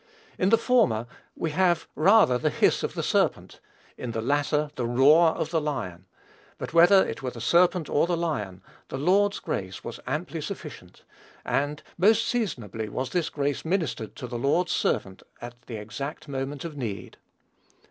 In the former, we have rather the hiss of the serpent; in the latter, the roar of the lion; but whether it were the serpent or the lion, the Lord's grace was amply sufficient; and most seasonably was this grace ministered to the Lord's servant at the exact moment of need.